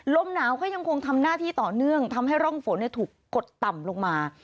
ลมหนาวก็ยังคงทำหน้าที่ต่อเนื่องทำให้ร่องฝนถูกกดต่ำลงมา